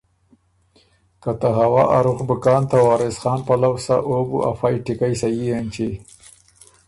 که ته هوا ا رُخ بُو کان ته وارث خان پلؤ سۀ، او بُو ا فئ ټیکئ سھي اېنچی